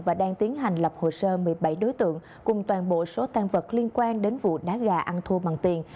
và đang tiến hành lập hồ sơ một mươi bảy đối tượng cùng toàn bộ số tăng vật liên quan đến vụ đá gà ăn thua bằng tiền